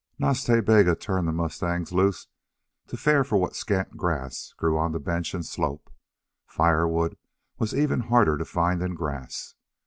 Nas Ta Bega turned the mustangs loose to fare for what scant grass grew on bench and slope. Firewood was even harder to find than grass.